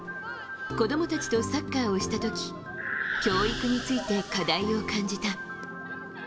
子供たちとサッカーをした時教育について課題を感じた。